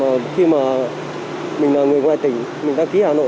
và khi mà mình là người ngoài tỉnh mình đăng ký hà nội